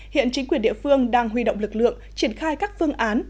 hiện chính quyền địa phương đang huy động lực lượng triển khai các phương án